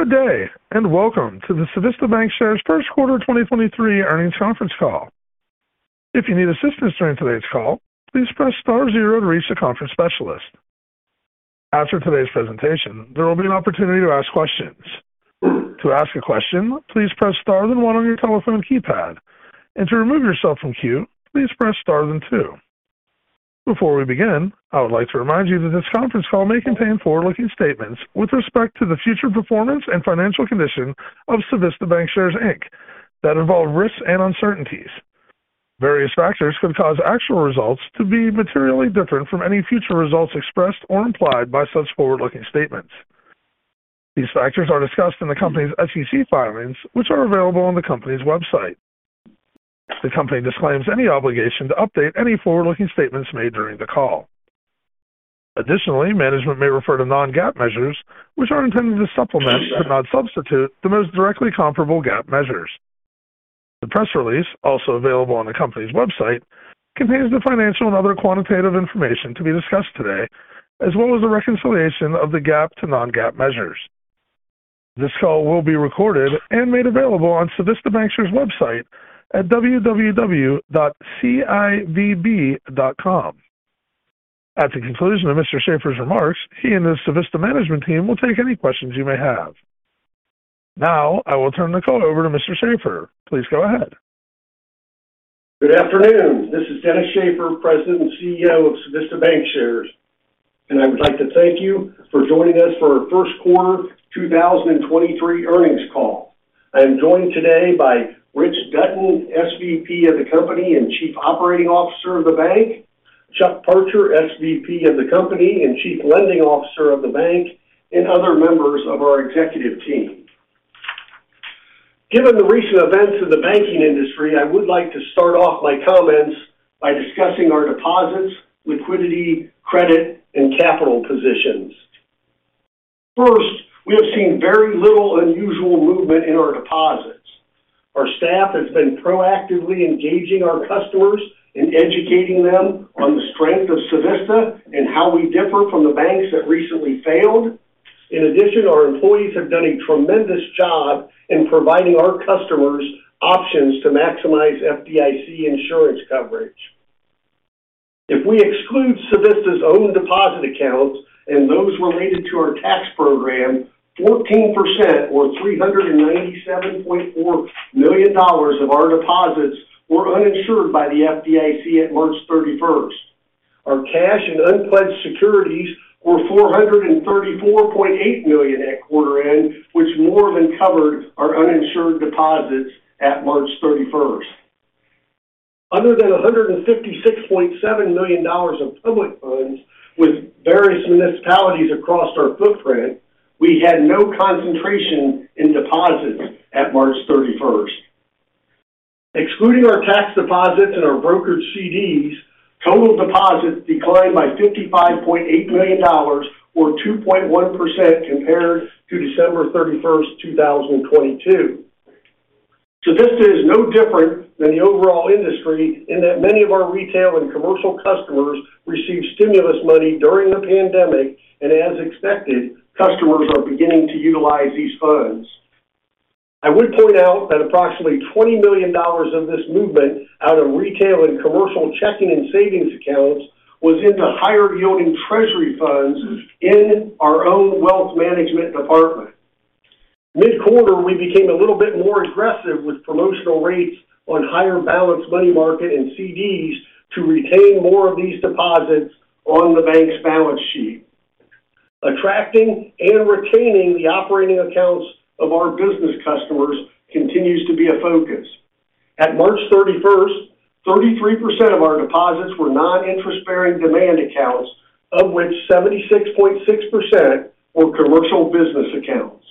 Good day, and welcome to the Civista Bancshares first quarter 2023 earnings conference call. If you need assistance during today's call, please press star zero to reach a conference specialist. After today's presentation, there will be an opportunity to ask questions. To ask a question, please press star then one on your telephone keypad. To remove yourself from queue, please press star then two. Before we begin, I would like to remind you that this conference call may contain forward-looking statements with respect to the future performance and financial condition of Civista Bancshares Inc. that involve risks and uncertainties. Various factors could cause actual results to be materially different from any future results expressed or implied by such forward-looking statements. These factors are discussed in the company's SEC filings, which are available on the company's website. The company disclaims any obligation to update any forward-looking statements made during the call. Additionally, management may refer to non-GAAP measures, which are intended to supplement, but not substitute, the most directly comparable GAAP measures. The press release, also available on the company's website, contains the financial and other quantitative information to be discussed today, as well as a reconciliation of the GAAP to non-GAAP measures. This call will be recorded and made available on Civista Bancshares website at www.civb.com. At the conclusion of Mr. Schaffer's remarks, he and the Civista management team will take any questions you may have. Now I will turn the call over to Mr. Schaffer. Please go ahead. Good afternoon. This is Dennis Shaffer, President and CEO of Civista Bancshares, I would like to thank you for joining us for our 1st quarter 2023 earnings call. I am joined today by Rich Dutton, SVP of the company and Chief Operating Officer of the bank, Chuck Parcher, SVP of the company and Chief Lending Officer of the bank, and other members of our executive team. Given the recent events in the banking industry, I would like to start off my comments by discussing our deposits, liquidity, credit, and capital positions. First, we have seen very little unusual movement in our deposits. Our staff has been proactively engaging our customers and educating them on the strength of Civista and how we differ from the banks that recently failed. In addition, our employees have done a tremendous job in providing our customers options to maximize FDIC insurance coverage. If we exclude Civista's own deposit accounts and those related to our tax program, 14% or $397.4 million of our deposits were uninsured by the FDIC at March 31st. Our cash and unpledged securities were $434.8 million at quarter end, which more than covered our uninsured deposits at March 31st. Other than $156.7 million of public funds with various municipalities across our footprint, we had no concentration in deposits at March 31st. Excluding our tax deposits and our brokered CDs, total deposits declined by $55.8 million or 2.1% compared to December 31st, 2022. Civista is no different than the overall industry in that many of our retail and commercial customers received stimulus money during the pandemic, and as expected, customers are beginning to utilize these funds. I would point out that approximately $20 million of this movement out of retail and commercial checking and savings accounts was into higher yielding treasury funds in our own wealth management department. Mid-quarter, we became a little bit more aggressive with promotional rates on higher balance money market and CDs to retain more of these deposits on the bank's balance sheet. Attracting and retaining the operating accounts of our business customers continues to be a focus. At March 31st, 33% of our deposits were non-interest bearing demand accounts, of which 76.6% were commercial business accounts.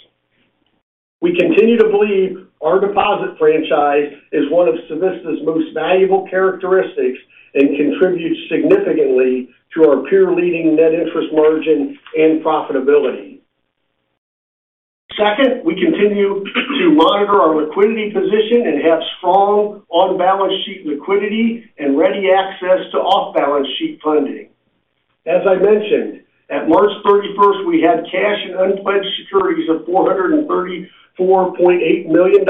We continue to believe our deposit franchise is one of Civista's most valuable characteristics and contributes significantly to our peer leading net interest margin and profitability. Second, we continue to monitor our liquidity position and have strong on-balance sheet liquidity and ready access to off-balance sheet funding. As I mentioned, at March 31st, we had cash and unpledged securities of $434.8 million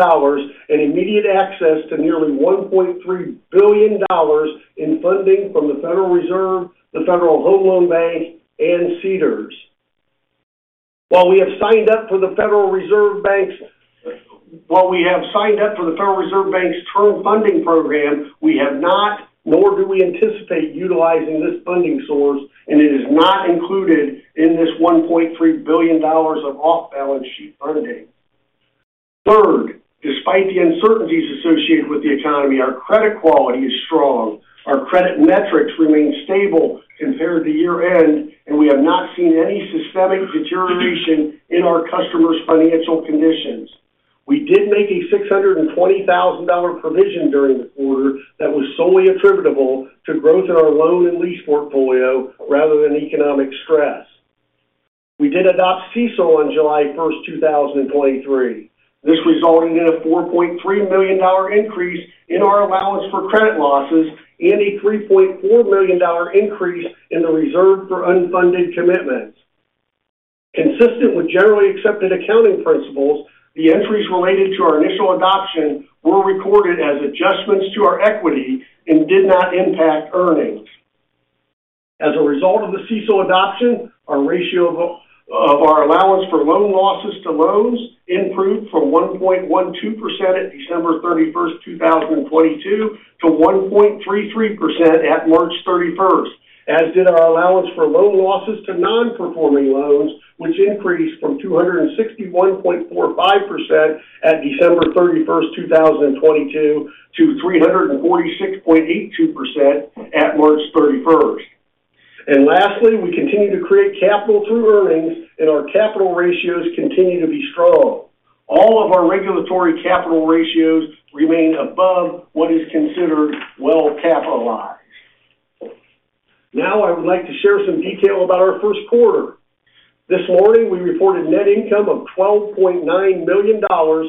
and immediate access to nearly $1.3 billion in funding from the Federal Reserve, the Federal Home Loan Bank, and CDARS. While we have signed up for the Federal Reserve Bank's term funding program, we have not, nor do we anticipate utilizing this funding source, and it is not included in this $1.3 billion of off-balance sheet funding. Third, despite the uncertainties associated with the economy, our credit quality is strong. Our credit metrics remain stable compared to year-end, and we have not seen any systemic deterioration in our customers' financial conditions. We did make a $620,000 provision during the quarter that was solely attributable to growth in our loan and lease portfolio rather than economic stress. We did adopt CECL on July 1st, 2023. This resulting in a $4.3 million increase in our allowance for credit losses and a $3.4 million increase in the reserve for unfunded commitments. Consistent with generally accepted accounting principles, the entries related to our initial adoption were recorded as adjustments to our equity and did not impact earnings. As a result of the CECL adoption, our ratio of our allowance for loan losses to loans improved from 1.12% at December 31st, 2022 to 1.33% at March 31st, as did our allowance for loan losses to non-performing loans, which increased from 261.45% at December 31st, 2022 to 346.82% at March 31st. Lastly, we continue to create capital through earnings and our capital ratios continue to be strong. All of our regulatory capital ratios remain above what is considered well-capitalized. Now I would like to share some detail about our first quarter. This morning, we reported net income of $12.9 million or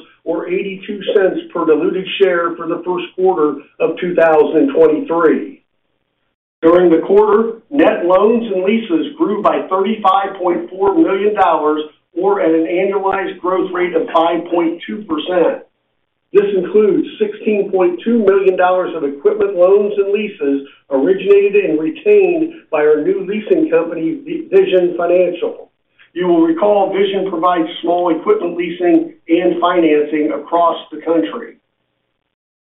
$0.82 per diluted share for the first quarter of 2023. During the quarter, net loans and leases grew by $35.4 million or at an annualized growth rate of 5.2%. This includes $16.2 million of equipment loans and leases originated and retained by our new leasing company, Vision Financial Group. You will recall Vision provides small equipment leasing and financing across the country.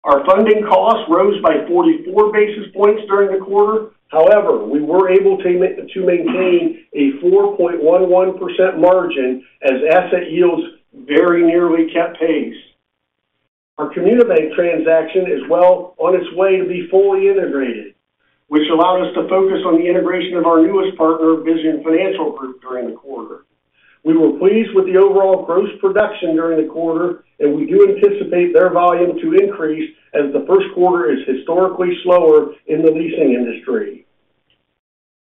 Our funding costs rose by 44 basis points during the quarter. However, we were able to maintain a 4.11% margin as asset yields very nearly kept pace. Our Comunibanc transaction is well on its way to be fully integrated, which allowed us to focus on the integration of our newest partner, Vision Financial Group, during the quarter. We were pleased with the overall gross production during the quarter, and we do anticipate their volume to increase as the first quarter is historically slower in the leasing industry.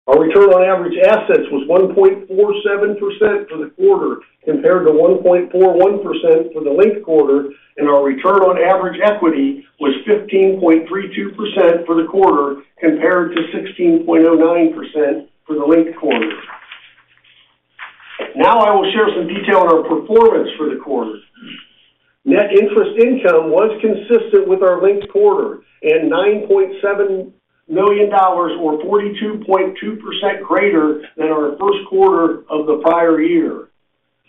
Our return on average assets was 1.47% for the quarter compared to 1.41% for the linked quarter, and our return on average equity was 15.32% for the quarter compared to 16.09% for the linked quarter. Now I will share some detail on our performance for the quarter. Net interest income was consistent with our linked quarter and $9.7 million or 42.2% greater than our first quarter of the prior year.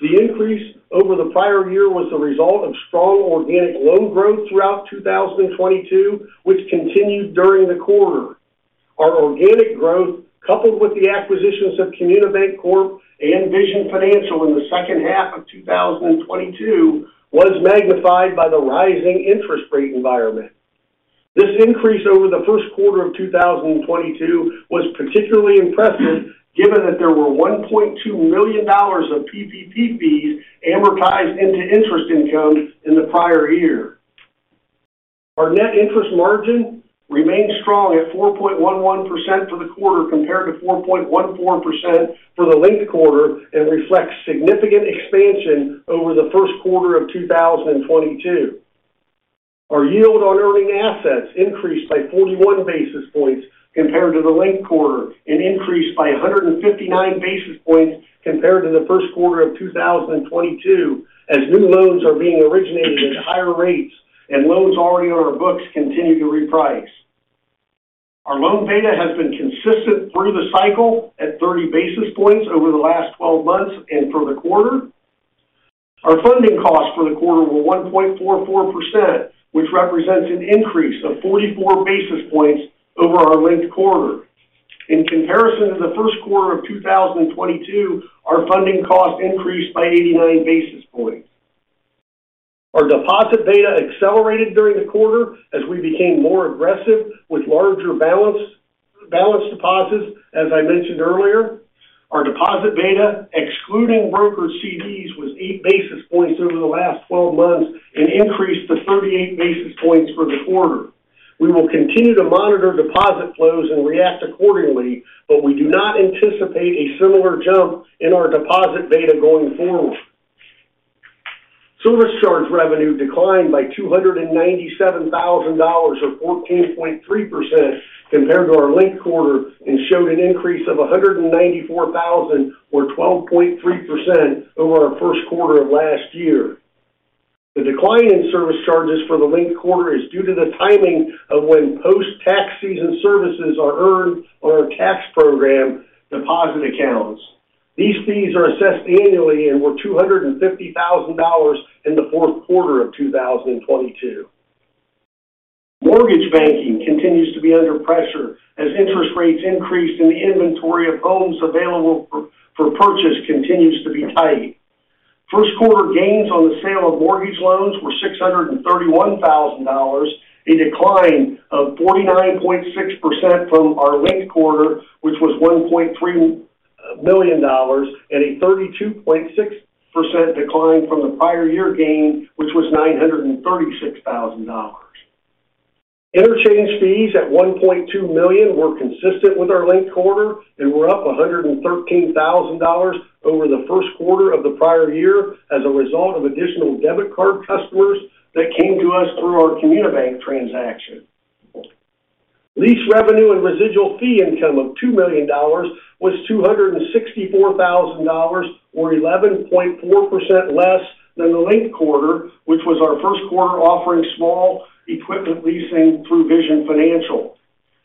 The increase over the prior year was the result of strong organic loan growth throughout 2022, which continued during the quarter. Our organic growth, coupled with the acquisitions of Comunibanc Corp. and Vision Financial in the second half of 2022, was magnified by the rising interest rate environment. This increase over the first quarter of 2022 was particularly impressive given that there were $1.2 million of PPP fees amortized into interest income in the prior year. Our net interest margin remained strong at 4.11% for the quarter compared to 4.14% for the linked quarter and reflects significant expansion over the first quarter of 2022. Our yield on earning assets increased by 41 basis points compared to the linked quarter and increased by 159 basis points compared to the first quarter of 2022 as new loans are being originated at higher rates and loans already on our books continue to reprice. Our loan beta has been consistent through the cycle at 30 basis points over the last 12 months and for the quarter. Our funding costs for the quarter were 1.44%, which represents an increase of 44 basis points over our linked quarter. In comparison to the first quarter of 2022, our funding cost increased by 89 basis points. Our deposit beta accelerated during the quarter as we became more aggressive with larger balance deposits, as I mentioned earlier. Our deposit beta, excluding brokered CDs, was 8 basis points over the last 12 months and increased to 38 basis points for the quarter. We will continue to monitor deposit flows and react accordingly, but we do not anticipate a similar jump in our deposit beta going forward. Service charge revenue declined by $297,000 or 14.3% compared to our linked quarter and showed an increase of $194,000 or 12.3% over our first quarter of last year. The decline in service charges for the linked quarter is due to the timing of when post-tax season services are earned on our tax program deposit accounts. These fees are assessed annually and were $250,000 in the fourth quarter of 2022. Mortgage banking continues to be under pressure as interest rates increase. The inventory of homes available for purchase continues to be tight. First quarter gains on the sale of mortgage loans were $631,000, a decline of 49.6% from our linked quarter, which was $1.3 million, and a 32.6% decline from the prior year gain, which was $936,000. Interchange fees at $1.2 million were consistent with our linked quarter and were up $113,000 over the first quarter of the prior year as a result of additional debit card customers that came to us through our Comunibanc transaction. Lease revenue and residual fee income of $2 million was $264,000 or 11.4% less than the linked quarter, which was our first quarter offering small equipment leasing through Vision Financial.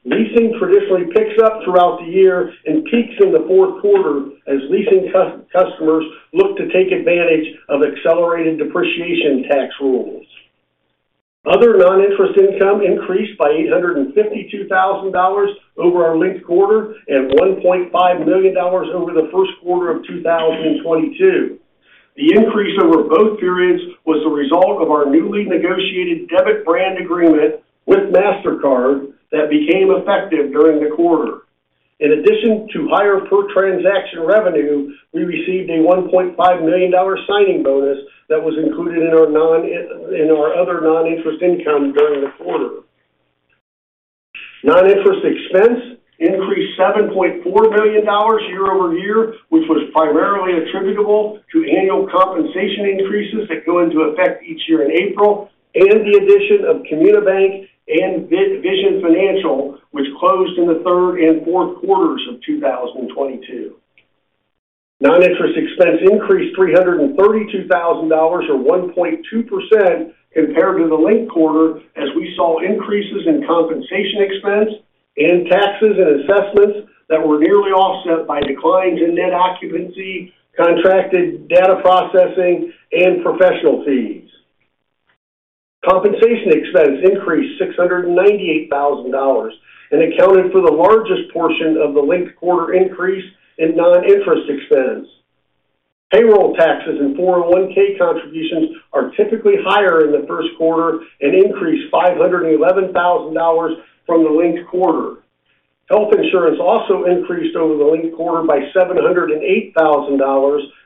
Leasing traditionally picks up throughout the year and peaks in the fourth quarter as leasing customers look to take advantage of accelerated depreciation tax rules. Other non-interest income increased by $852,000 over our linked quarter at $1.5 million over the first quarter of 2022. The increase over both periods was a result of our newly negotiated debit brand agreement with Mastercard that became effective during the quarter. In addition to higher per transaction revenue, we received a $1.5 million signing bonus that was included in our other non-interest income during the quarter. Non-interest expense increased $7.4 million year-over-year, which was primarily attributable to annual compensation increases that go into effect each year in April and the addition of Comunibanc and Vision Financial, which closed in the third and fourth quarters of 2022. Non-interest expense increased $332,000 or 1.2% compared to the linked quarter as we saw increases in compensation expense and taxes and assessments that were nearly offset by declines in net occupancy, contracted data processing, and professional fees. Compensation expense increased $698,000 and accounted for the largest portion of the linked quarter increase in non-interest expense. Payroll taxes and 401K contributions are typically higher in the first quarter and increased $511,000 from the linked quarter. Health insurance also increased over the linked quarter by $708,000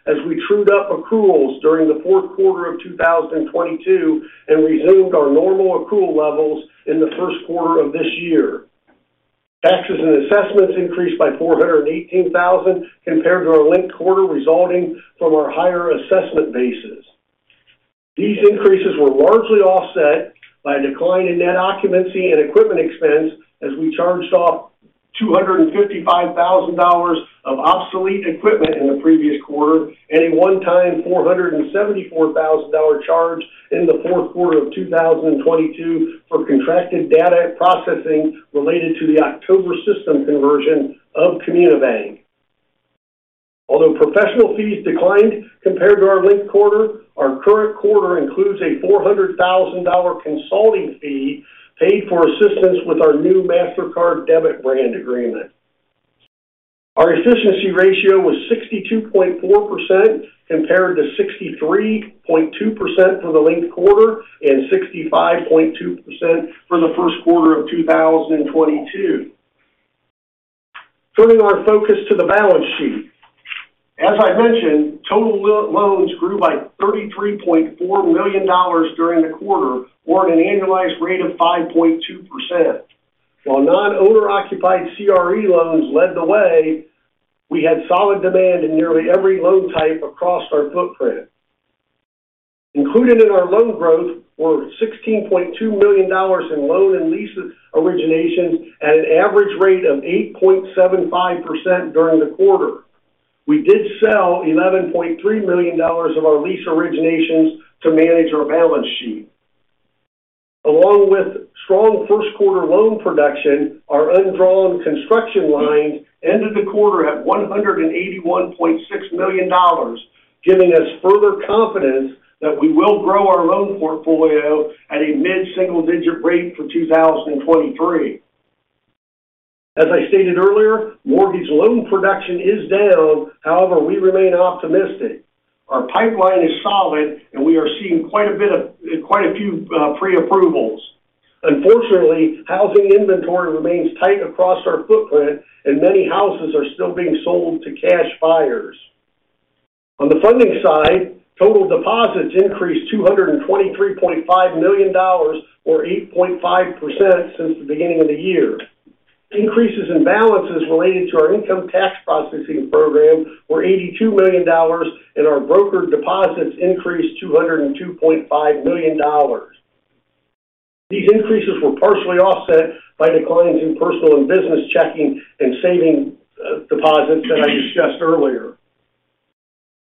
as we trued up accruals during the fourth quarter of 2022 and resumed our normal accrual levels in the first quarter of this year. Taxes and assessments increased by $418,000 compared to our linked quarter resulting from our higher assessment bases. These increases were largely offset by a decline in net occupancy and equipment expense as we charged off $255,000 of obsolete equipment in the previous quarter and a one-time $474,000 charge in the fourth quarter of 2022 for contracted data processing related to the October system conversion of Comunibanc. Although professional fees declined compared to our linked quarter, our current quarter includes a $400,000 consulting fee paid for assistance with our new Mastercard debit brand agreement. Our efficiency ratio was 62.4% compared to 63.2% for the linked quarter and 65.2% for the first quarter of 2022. Turning our focus to the balance sheet. As I mentioned, total loans grew by $33.4 million during the quarter, or at an annualized rate of 5.2%. While non-owner occupied CRE loans led the way, we had solid demand in nearly every loan type across our footprint. Included in our loan growth were $16.2 million in loan and leases originations at an average rate of 8.75% during the quarter. We did sell $11.3 million of our lease originations to manage our balance sheet. Along with strong first quarter loan production, our undrawn construction line ended the quarter at $181.6 million, giving us further confidence that we will grow our loan portfolio at a mid-single digit rate for 2023. As I stated earlier, mortgage loan production is down. We remain optimistic. Our pipeline is solid, and we are seeing quite a few pre-approvals. Unfortunately, housing inventory remains tight across our footprint, and many houses are still being sold to cash buyers. On the funding side, total deposits increased $223.5 million or 8.5% since the beginning of the year. Increases in balances related to our income tax processing program were $82 million, and our brokered deposits increased $202.5 million. These increases were partially offset by declines in personal and business checking and saving deposits that I discussed earlier.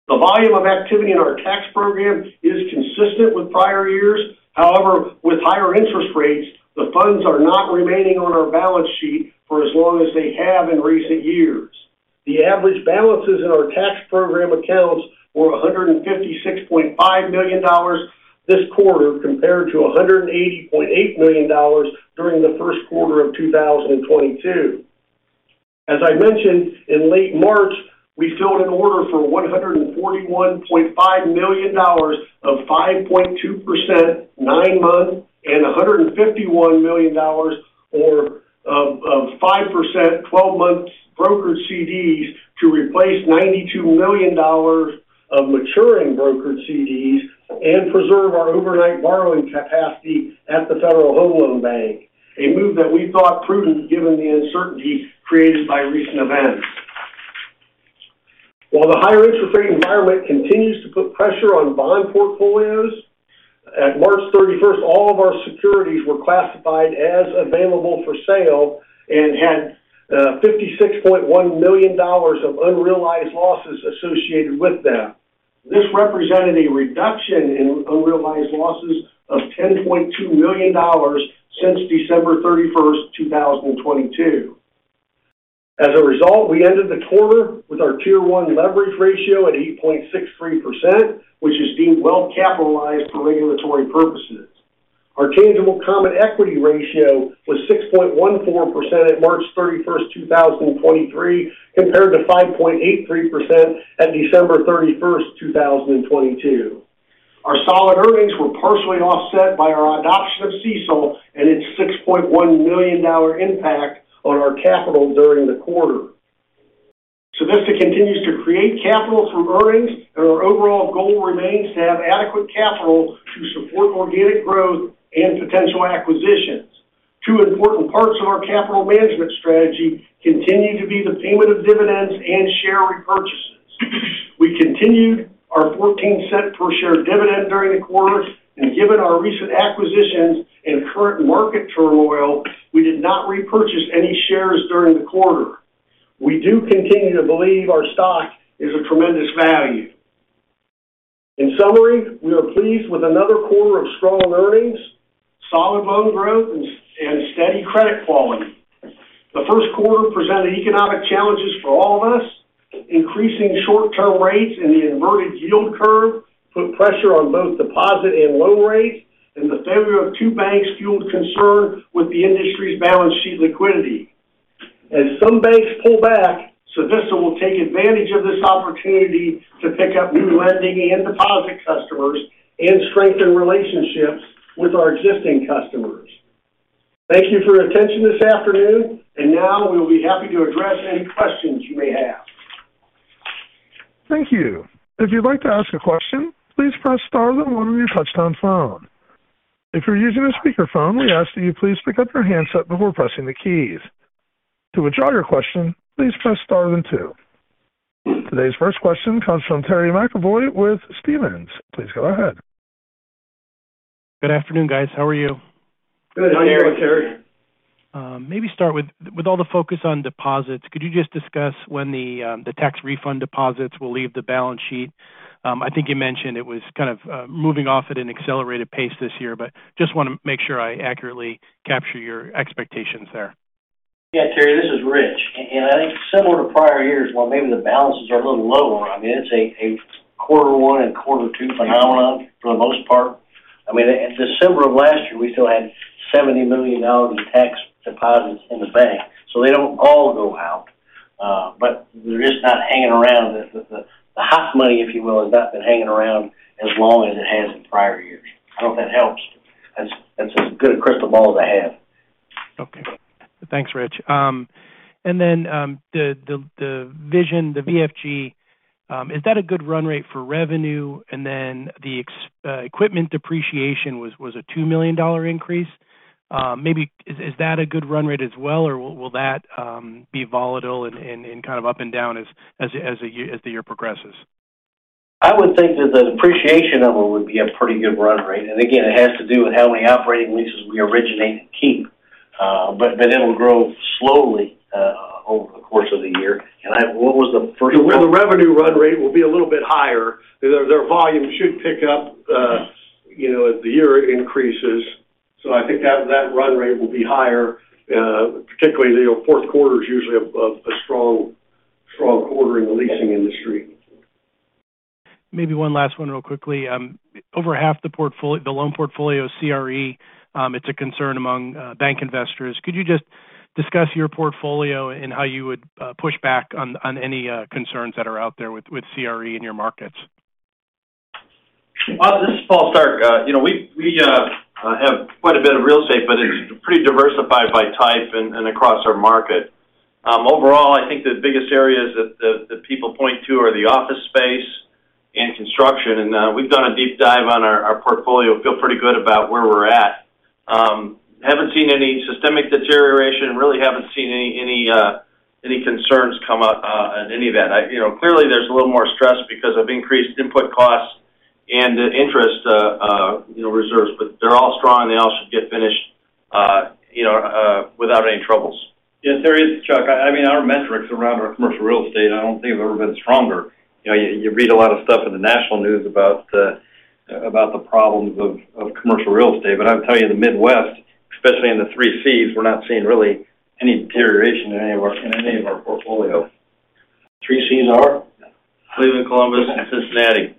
The volume of activity in our tax program is consistent with prior years. However, with higher interest rates, the funds are not remaining on our balance sheet for as long as they have in recent years. The average balances in our tax program accounts were $156.5 million this quarter compared to $180.8 million during the first quarter of 2022. As I mentioned in late March, we filled an order for $141.5 million of 5.2% 9-month and $151 million of 5% 12-month brokered CDs to replace $92 million of maturing brokered CDs and preserve our overnight borrowing capacity at the Federal Home Loan Bank, a move that we thought prudent given the uncertainty created by recent events. The higher interest rate environment continues to put pressure on bond portfolios. At March 31st, all of our securities were classified as available for sale and had $56.1 million of unrealized losses associated with them. This represented a reduction in unrealized losses of $10.2 million since December 31st, 2022. As a result, we ended the quarter with our Tier 1 leverage ratio at 8.63%, which is deemed well capitalized for regulatory purposes. Our tangible common equity ratio was 6.14% at March 31, 2023, compared to 5.83% at December 31, 2022. Our solid earnings were partially offset by our adoption of CECL and its $6.1 million impact on our capital during the quarter. Civista continues to create capital from earnings, our overall goal remains to have adequate capital to support organic growth and potential acquisitions. Two important parts of our capital management strategy continue to be the payment of dividends and share repurchases. We continued our $0.14 per share dividend during the quarter. Given our recent acquisitions and current market turmoil, we did not repurchase any shares during the quarter. We do continue to believe our stock is a tremendous value. In summary, we are pleased with another quarter of strong earnings, solid loan growth and steady credit quality. The first quarter presented economic challenges for all of us. Increasing short-term rates in the inverted yield curve put pressure on both deposit and loan rates. The failure of 2 banks fueled concern with the industry's balance sheet liquidity. As some banks pull back, Civista will take advantage of this opportunity to pick up new lending and deposit customers and strengthen relationships with our existing customers. Thank you for your attention this afternoon. Now we will be happy to address any questions you may have. Thank you. If you'd like to ask a question, please press star then 1 on your touchtone phone. If you're using a speakerphone, we ask that you please pick up your handset before pressing the keys. To withdraw your question, please press star then 2. Today's first question comes from Terry McEvoy with Stephens. Please go ahead. Good afternoon, guys. How are you? Good. How are you, Terry? Maybe start with all the focus on deposits, could you just discuss when the tax refund deposits will leave the balance sheet? I think you mentioned it was kind of moving off at an accelerated pace this year, but just want to make sure I accurately capture your expectations there. Yeah, Terry, this is Rich. And I think similar to prior years, while maybe the balances are a little lower, I mean, it's a quarter one and quarter two phenomenon for the most part. I mean, in December of last year, we still had $70 million in tax deposits in the bank. They don't all go out. They're just not hanging around. The hot money, if you will, has not been hanging around as long as it has in prior years. I hope that helps. That's as good a crystal ball as I have. Okay. Thanks, Rich. The vision, the VFG, is that a good run rate for revenue? The equipment depreciation was a $2 million increase. Maybe is that a good run rate as well, or will that be volatile and kind of up and down as the year progresses? I would think that the depreciation of it would be a pretty good run rate. Again, it has to do with how many operating leases we originate and keep, but it'll grow slowly, over the course of the year. What was the first one? The revenue run rate will be a little bit higher. Their volume should pick up, you know, as the year increases. I think that run rate will be higher. Particularly the fourth quarter is usually a strong quarter in the leasing industry. Maybe one last one real quickly. Over half the loan portfolio CRE, it's a concern among bank investors. Could you just discuss your portfolio and how you would push back on any concerns that are out there with CRE in your markets? Well, this is Paul Stark. You know, we have quite a bit of real estate, but it's pretty diversified by type and across our market. Overall, I think the biggest areas that the people point to are the office space and construction. We've done a deep dive on our portfolio, feel pretty good about where we're at. Haven't seen any systemic deterioration. Really haven't seen any concerns come up at any event. You know, clearly there's a little more stress because of increased input costs and the interest, you know, reserves, but they're all strong. They all should get finished, you know, without any troubles. Yeah, Terry, this is Chuck. I mean, our metrics around our commercial real estate, I don't think have ever been stronger. You know, you read a lot of stuff in the national news about the problems of commercial real estate. I'll tell you in the Midwest, especially in the three Cs, we're not seeing really any deterioration in any of our portfolio. 3 Cs are? Cleveland, Columbus, and Cincinnati.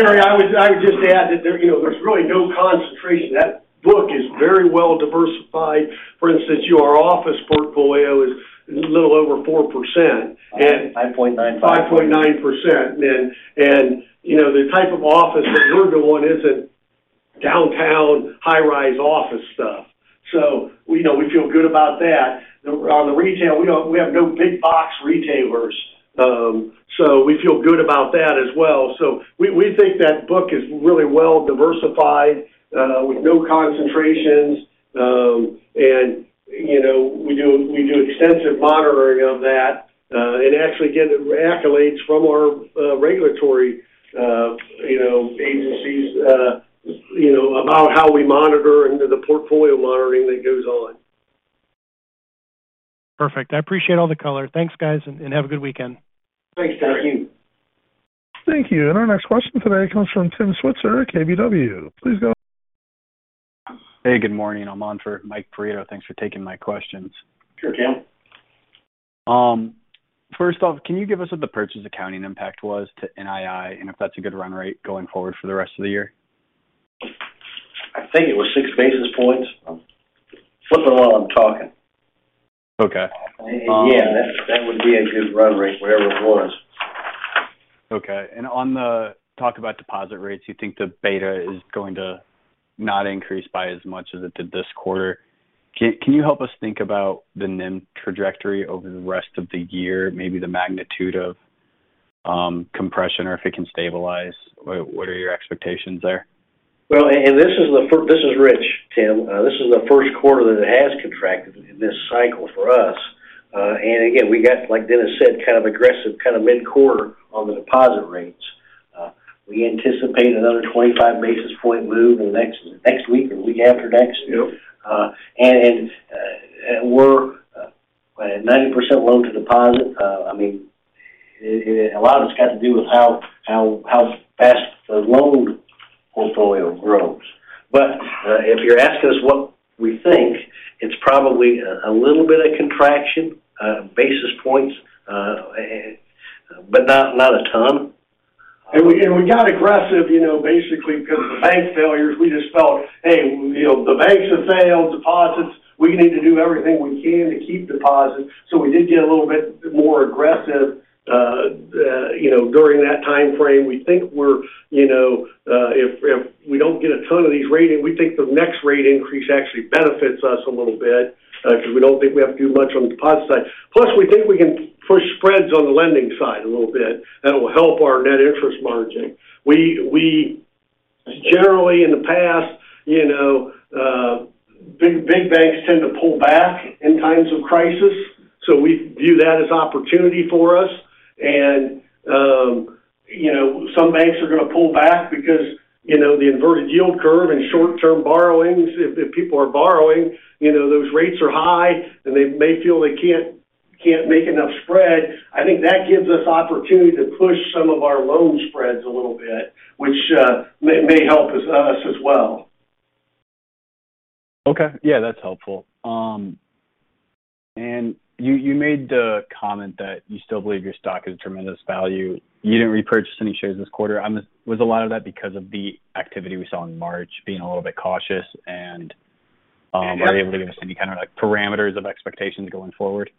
Terry, I would just add that there, you know, there's really no concentration. That book is very well diversified. For instance, you know, our office portfolio is a little over 4%. 5.95. 5.9%. You know, the type of office that we're doing isn't downtown high-rise office stuff. We feel good about that. On the retail, we have no big box retailers, we feel good about that as well. We think that book is really well diversified, with no concentrations. You know, we do, we do extensive monitoring of that, and actually get accolades from our regulatory, you know, agencies, you know, about how we monitor and the portfolio monitoring that goes on. Perfect. I appreciate all the color. Thanks, guys, and have a good weekend. Thanks, Tony. Thank you. Our next question today comes from Tim Switzer at KBW. Please go ahead. Hey, good morning. I'm on for Mike Perito. Thanks for taking my questions. Sure, Tim. First off, can you give us what the purchase accounting impact was to NII, and if that's a good run rate going forward for the rest of the year? I think it was six basis points. I'm flipping while I'm talking. Okay. Yeah, that would be a good run rate wherever it was. Okay. On the talk about deposit rates, you think the beta is going to not increase by as much as it did this quarter. Can you help us think about the NIM trajectory over the rest of the year, maybe the magnitude of compression or if it can stabilize? What are your expectations there? Well, this is Rich, Tim. This is the first quarter that it has contracted in this cycle for us. And again, we got, like Dennis said, kind of aggressive kind of mid-quarter on the deposit rates. We anticipate another 25 basis point move in the next week or week after next. Yep. And we're 90% loan to deposit. I mean, a lot of it's got to do with how fast the loan portfolio grows. If you're asking us what we think, it's probably a little bit of contraction, basis points, but not a ton. And we got aggressive, you know, basically because of the bank failures. We just felt, hey, you know, the banks have failed deposits. We need to do everything we can to keep deposits. We did get a little bit more aggressive, you know, during that time frame. We think we're, you know, if we don't get a ton of these rating, we think the next rate increase actually benefits us a little bit because we don't think we have to do much on the deposit side. Plus, we think we can push spreads on the lending side a little bit. That'll help our net interest margin. We generally in the past, you know, big banks tend to pull back in times of crisis, we view that as opportunity for us. You know, some banks are going to pull back because, you know, the inverted yield curve and short-term borrowings. If people are borrowing, you know, those rates are high. They may feel they can't make enough spread. I think that gives us opportunity to push some of our loan spreads a little bit, which may help us as well. Okay. Yeah, that's helpful. You made the comment that you still believe your stock is tremendous value. You didn't repurchase any shares this quarter. Was a lot of that because of the activity we saw in March being a little bit cautious and are you able to give us any kind of, like, parameters of expectations going forward?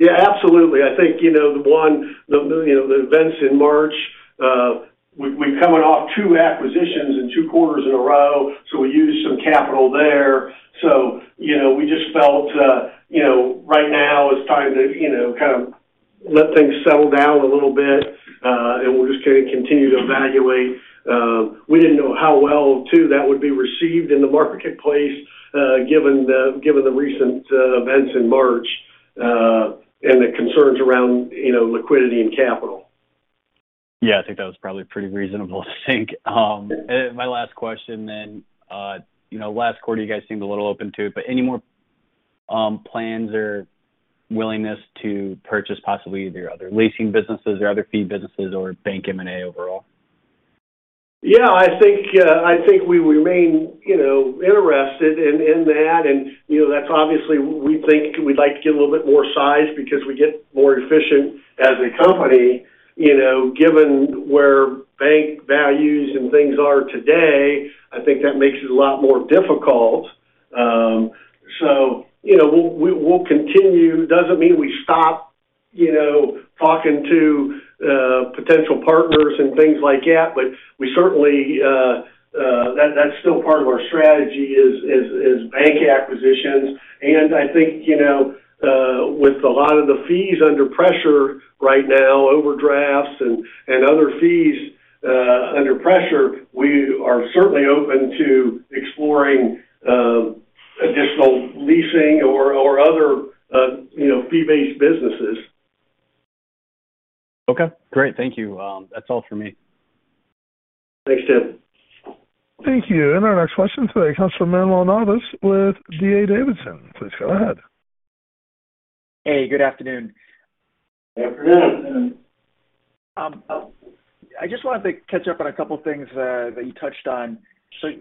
Absolutely. I think, you know, the events in March, we're coming off two acquisitions in two quarters in a row. We used some capital there. You know, we just felt, you know, right now it's time to, you know, kind of let things settle down a little bit, and we'll just continue to evaluate. We didn't know how well too that would be received in the marketplace, given the recent events in March, and the concerns around, you know, liquidity and capital. Yeah, I think that was probably pretty reasonable to think. My last question, you know, last quarter you guys seemed a little open to it, any more plans or willingness to purchase possibly either your other leasing businesses or other fee businesses or bank M&A overall? Yeah, I think, I think we remain, you know, interested in that. You know, that's obviously we think we'd like to get a little bit more size because we get more efficient as a company. You know, given where bank values and things are today, I think that makes it a lot more difficult. You know, we'll continue. Doesn't mean we stop, you know, talking to potential partners and things like that. We certainly, that's still part of our strategy is bank acquisitions. I think, you know, with a lot of the fees under pressure right now, overdrafts and other fees under pressure, we are certainly open to exploring additional leasing or other, you know, fee-based businesses. Okay, great. Thank you. That's all for me. Thanks, Tim. Thank you. Our next question today comes from Manuel Navas with D.A. Davidson. Please go ahead. Hey, good afternoon. Good afternoon. I just wanted to catch up on a couple things that you touched on.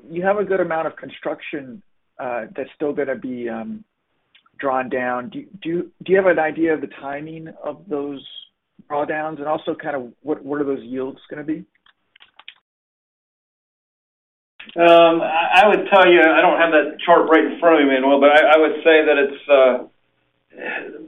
You have a good amount of construction that's still gonna be drawn down. Do you have an idea of the timing of those drawdowns? Also kind of what are those yields gonna be? I would tell you, I don't have that chart right in front of me, Manuel, but I would say that it's,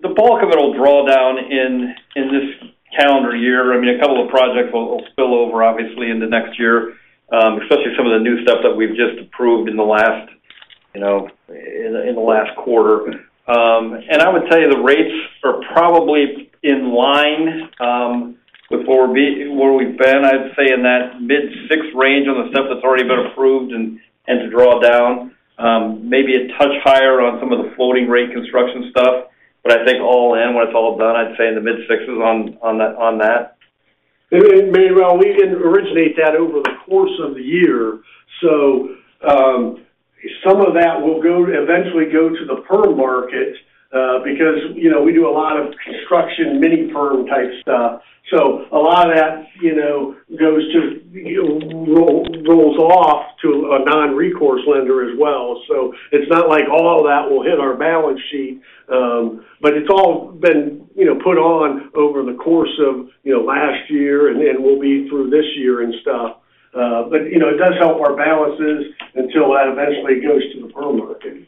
the bulk of it'll draw down in this calendar year. I mean, a couple of projects will spill over obviously in the next year, especially some of the new stuff that we've just approved in the last, you know, in the last quarter. I would tell you the rates. Probably in line, with where we've been, I'd say in that mid-six range on the stuff that's already been approved and to draw down, maybe a touch higher on some of the floating rate construction stuff. I think all in, when it's all done, I'd say in the mid-sixes on that. Maybe, well, we didn't originate that over the course of the year, eventually go to the perm market, because, you know, we do a lot of construction mini perm type stuff. A lot of that, you know, rolls off to a non-recourse lender as well. It's not like all that will hit our balance sheet, it's all been, you know, put on over the course of, you know, last year and will be through this year and stuff. You know, it does help our balances until that eventually goes to the perm market.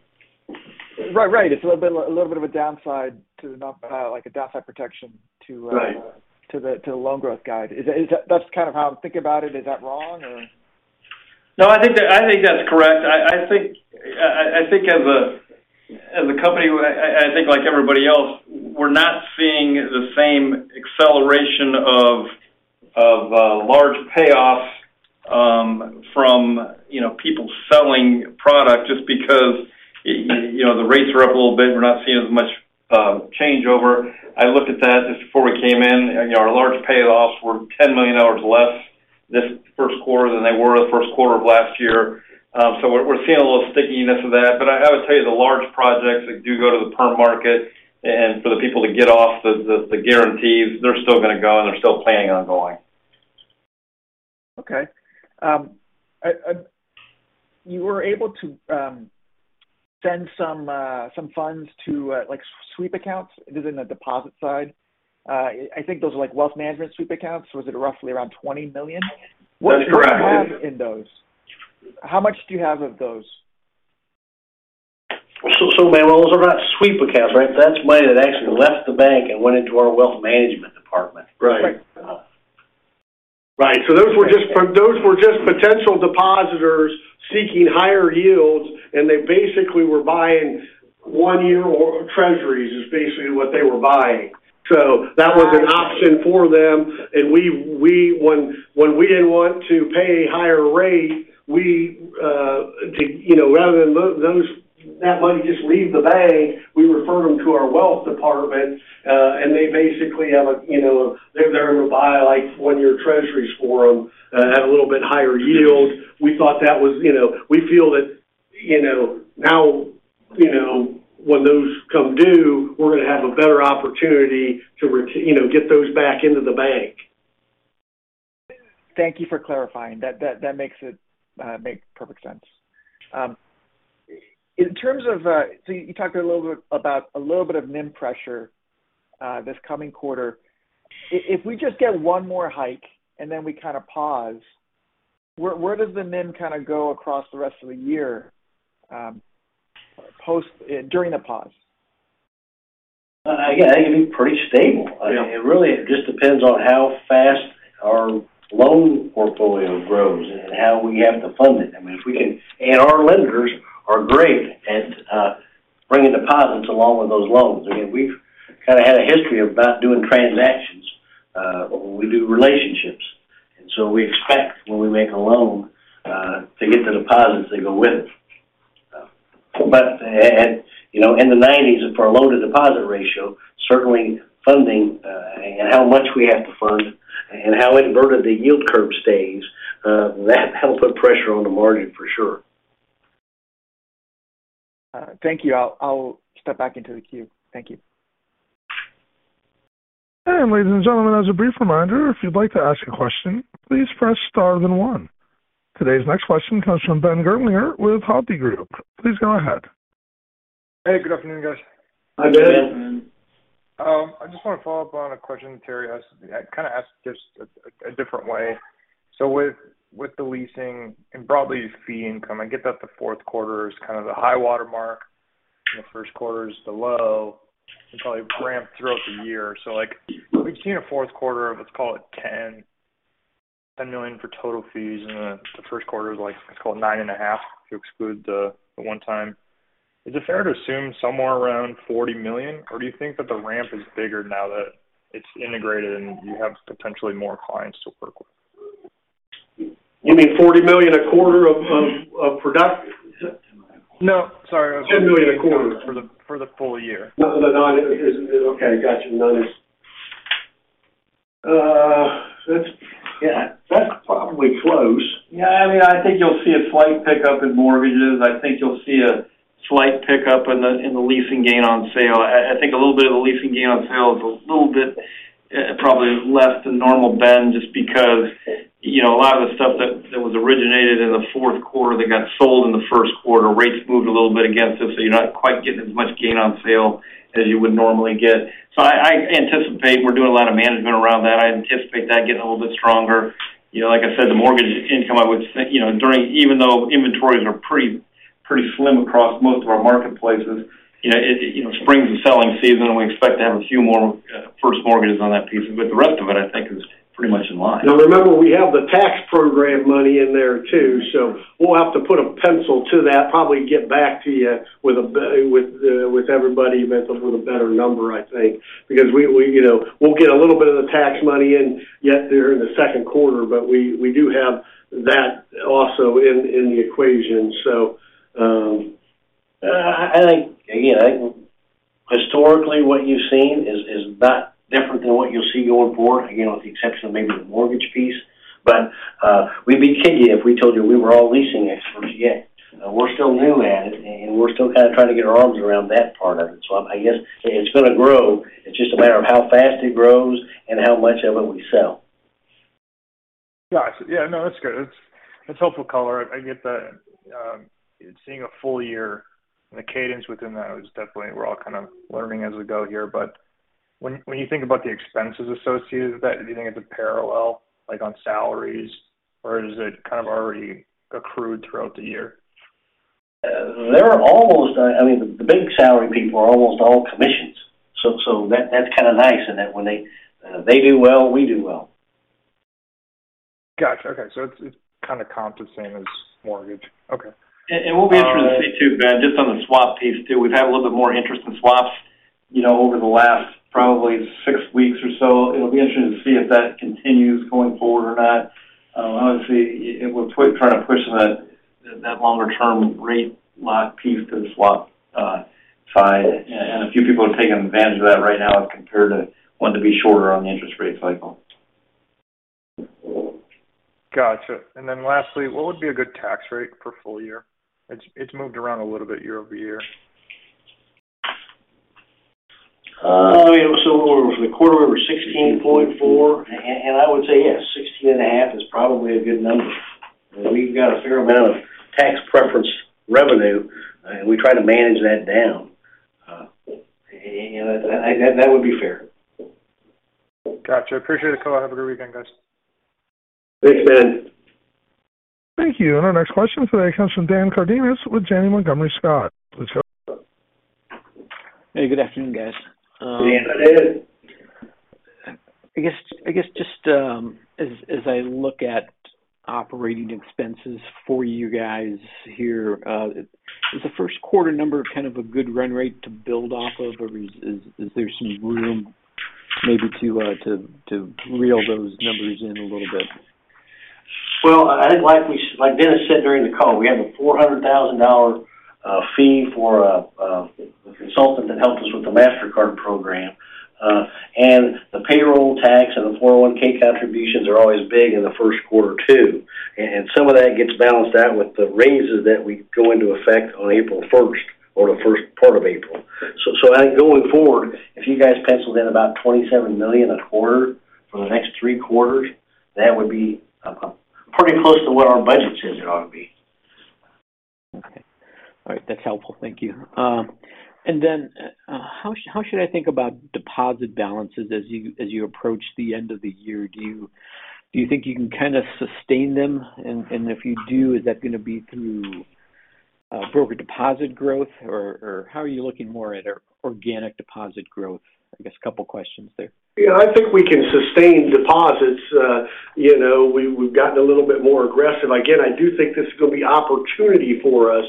Right. Right. It's a little bit of a downside to not have like a downside protection to. Right. To the loan growth guide. Is that that's kind of how I'm thinking about it. Is that wrong or? No, I think that, I think that's correct. I think as a company, I think like everybody else, we're not seeing the same acceleration of large payoffs from, you know, people selling product just because, you know, the rates are up a little bit. We're not seeing as much changeover. I looked at that just before we came in, and, you know, our large payoffs were $10 million less this first quarter than they were the first quarter of last year. We're seeing a little stickiness of that. I would tell you, the large projects that do go to the perm market and for the people to get off the guarantees, they're still gonna go, and they're still planning on going. You were able to, send some funds to, like, sweep accounts. It is in the deposit side. I think those are like wealth management sweep accounts. Was it roughly around $20 million? That is correct. What do you have in those? How much do you have of those? Manuel, those are not sweep accounts, right? That's money that actually left the bank and went into our wealth management department. Right. Right. Right. Those were just potential depositors seeking higher yields, and they basically were buying one year or Treasuries is basically what they were buying. That was an option for them. When we didn't want to pay a higher rate, we, you know, rather than that money just leave the bank, we refer them to our wealth department, and they basically have a, you know, they're going to buy like 1 year Treasuries for them at a little bit higher yield. We thought that was, you know. We feel that, you know, now, you know, when those come due, we're going to have a better opportunity to, you know, get those back into the bank. Thank you for clarifying. That makes it make perfect sense. In terms of, so you talked about a little bit of NIM pressure this coming quarter. If we just get one more hike and then we kind of pause, where does the NIM kind of go across the rest of the year during the pause? I think it'd be pretty stable. Yeah. It really just depends on how fast our loan portfolio grows and how we have to fund it. I mean, Our lenders are great at bringing deposits along with those loans. Again, we've kind of had a history of not doing transactions, but we do relationships. We expect when we make a loan to get the deposits that go with it. You know, in the 90s for our loan to deposit ratio, certainly funding, and how much we have to fund and how inverted the yield curve stays, that'll put pressure on the margin for sure. Thank you. I'll step back into the queue. Thank you. Ladies and gentlemen, as a brief reminder, if you'd like to ask a question, please press Star then one. Today's next question comes from Ben Gerlinger with Hovde Group. Please go ahead. Hey, good afternoon, guys. Hi, Ben. Good afternoon. I just want to follow up on a question Terry asked, kind of asked just a different way. With the leasing and broadly fee income, I get that the fourth quarter is kind of the high watermark and the first quarter is the low. It's probably ramped throughout the year. Like we've seen a fourth quarter of, let's call it $10 million for total fees, and then the first quarter is like, let's call it $9.5 million to exclude the one time. Is it fair to assume somewhere around $40 million, or do you think that the ramp is bigger now that it's integrated and you have potentially more clients to work with? You mean $40 million a quarter of product? No, sorry. $10 million a quarter. For the full year. No, no. Okay, got you. No, that's, yeah, that's probably close. Yeah, I mean, I think you'll see a slight pickup in mortgages. I think you'll see a slight pickup in the, in the leasing gain on sale. I think a little bit of the leasing gain on sale is a little bit probably less than normal, Ben, just because, you know, a lot of the stuff that was originated in the fourth quarter that got sold in the first quarter, rates moved a little bit against us, so you're not quite getting as much gain on sale as you would normally get. I anticipate we're doing a lot of management around that. I anticipate that getting a little bit stronger. You know, like I said, the mortgage income, I would say, you know, even though inventories are pretty slim across most of our marketplaces, you know, it, you know, spring is the selling season, and we expect to have a few more first mortgages on that piece. The rest of it, I think is. Pretty much in line. Remember, we have the tax program money in there, too, so we'll have to put a pencil to that, probably get back to you with everybody with a better number, I think. We, you know, we'll get a little bit of the tax money in yet there in the second quarter, but we do have that also in the equation. I think, again, historically, what you've seen is not different than what you'll see going forward, you know, with the exception of maybe the mortgage piece. We'd be kidding you if we told you we were all leasing experts yet. We're still new at it, and we're still kind of trying to get our arms around that part of it. I guess it's going to grow. It's just a matter of how fast it grows and how much of it we sell. Got you. Yeah, no, that's good. That's helpful color. I get that, seeing a full year and the cadence within that is definitely we're all kind of learning as we go here. When you think about the expenses associated with that, do you think it's a parallel, like, on salaries, or is it kind of already accrued throughout the year? They're almost I mean, the big salary people are almost all commissions. That's kind of nice in that when they do well, we do well. Got you. Okay. It's kind of comp the same as mortgage. Okay. It will be interesting to see, too, Ben, just on the swap piece, too. We've had a little bit more interest in swaps, you know, over the last probably six weeks or so. It'll be interesting to see if that continues going forward or not. Obviously, it will kind of push that longer-term rate lock piece to the swap side. A few people have taken advantage of that right now as compared to wanting to be shorter on the interest rate cycle. Got you. Lastly, what would be a good tax rate for full year? It's moved around a little bit year-over-year. For the quarter, we were 16.4%. 16.4. I would say, yes, 16.5 is probably a good number. We've got a fair amount of tax preference revenue, and we try to manage that down. That would be fair. Got you. Appreciate the color. Have a great weekend, guys. Thanks, Ben. Thank you. Our next question today comes from Dan Cardenas with Janney Montgomery Scott. Hey, good afternoon, guys. Dan. I guess just as I look at operating expenses for you guys here, is the first quarter number kind of a good run rate to build off of, or is there some room maybe to reel those numbers in a little bit? Well, I think like Dennis said during the call, we have a $400,000 fee for a consultant that helped us with the Mastercard program. The payroll tax and the 401 contributions are always big in the first quarter, too. Some of that gets balanced out with the raises that we go into effect on April first or the first part of April. I think going forward, if you guys penciled in about $27 million a quarter for the next three quarters, that would be pretty close to what our budget says it ought to be. Okay. All right. That's helpful. Thank you. Then, how should I think about deposit balances as you approach the end of the year? Do you think you can kind of sustain them? If you do, is that going to be through broker deposit growth, or how are you looking more at organic deposit growth? I guess a couple questions there. Yeah, I think we can sustain deposits. You know, we've gotten a little bit more aggressive. Again, I do think this is going to be opportunity for us.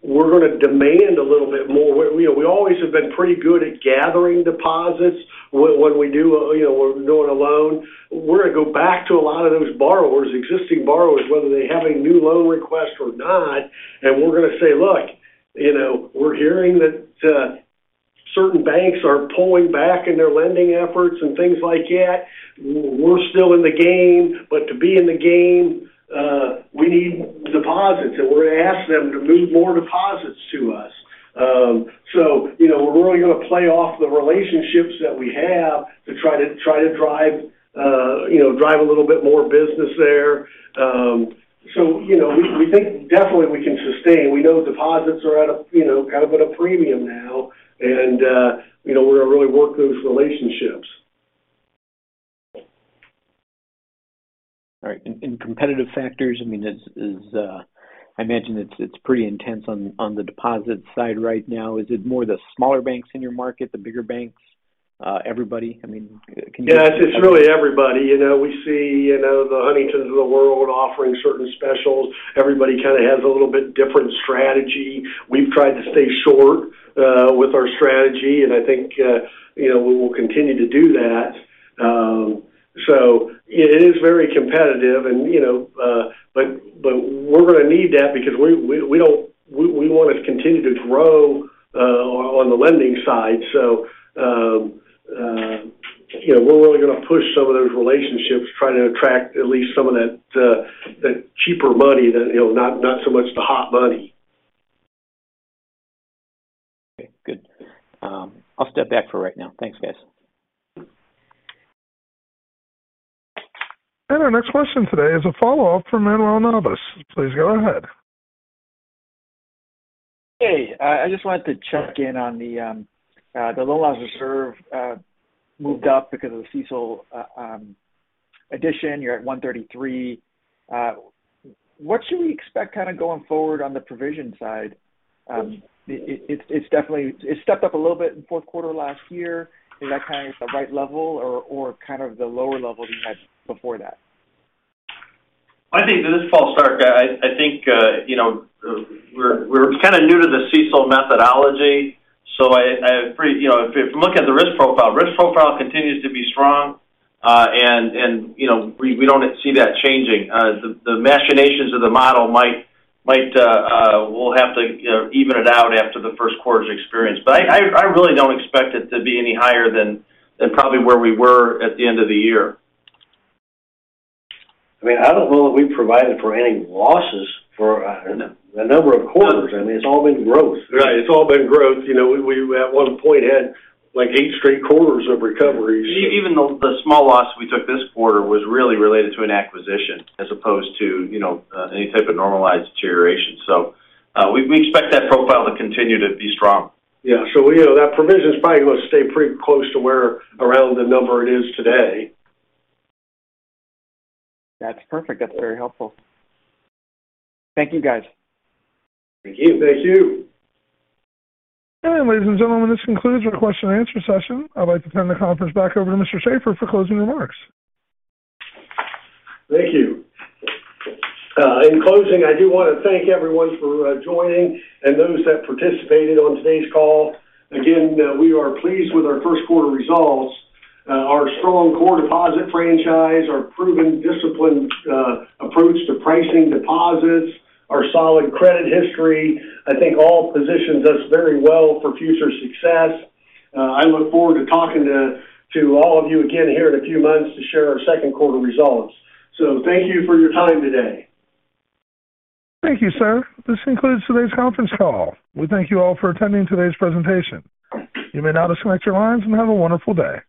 We're going to demand a little bit more. We, we always have been pretty good at gathering deposits when we do, you know, when we're doing a loan. We're going to go back to a lot of those borrowers, existing borrowers, whether they have a new loan request or not, we're going to say, look, you know, we're hearing that certain banks are pulling back in their lending efforts and things like that. We're still in the game, to be in the game, we need deposits, we're going to ask them to move more deposits to us. You know, we're only going to play off the relationships that we have to try to drive, you know, drive a little bit more business there. You know, we think definitely we can sustain. We know deposits are at a, you know, kind of at a premium now, you know, we're going to really work those relationships. All right. competitive factors, I mean, is, I imagine it's pretty intense on the deposit side right now. Is it more the smaller banks in your market, the bigger banks? everybody? I mean, can you- Yeah, it's really everybody. You know, we see, you know, the Huntington of the world offering certain specials. Everybody kind of has a little bit different strategy. We've tried to stay short with our strategy, and I think, you know, we will continue to do that. It is very competitive and, you know, but we're going to need that because we want to continue to grow on the lending side. You know, we're really going to push some of those relationships, try to attract at least some of that cheaper money that, you know, not so much the hot money. Okay, good. I'll step back for right now. Thanks, guys. Our next question today is a follow-up from Manuel Navas. Please go ahead. Hey, I just wanted to check in on the loan loss reserve moved up because of the CECL. Addition, you're at 133. What should we expect kind of going forward on the provision side? It stepped up a little bit in fourth quarter last year. Is that kind of the right level or kind of the lower level you had before that? I think this falls, Stark. I think, you know, we're kind of new to the CECL methodology. So I have pretty... You know, if you look at the risk profile, risk profile continues to be strong. You know, we don't see that changing. The machinations of the model might... We'll have to, you know, even it out after the first quarter's experience. I really don't expect it to be any higher than probably where we were at the end of the year. I mean, I don't know that we've provided for any losses for. No. a number of quarters. I mean, it's all been growth. Right. It's all been growth. You know, we at one point had, like, 8 straight quarters of recoveries. Even the small loss we took this quarter was really related to an acquisition as opposed to, you know, any type of normalized deterioration. We expect that profile to continue to be strong. Yeah. you know, that provision is probably going to stay pretty close to where around the number it is today. That's perfect. That's very helpful. Thank you, guys. Thank you. Thank you. Ladies and gentlemen, this concludes our question and answer session. I'd like to turn the conference back over to Mr. Shaffer for closing remarks. Thank you. In closing, I do want to thank everyone for joining and those that participated on today's call. Again, we are pleased with our first quarter results. Our strong core deposit franchise, our proven disciplined approach to pricing deposits, our solid credit history, I think all positions us very well for future success. I look forward to talking to all of you again here in a few months to share our second quarter results. Thank you for your time today. Thank you, sir. This concludes today's conference call. We thank you all for attending today's presentation. You may now disconnect your lines and have a wonderful day.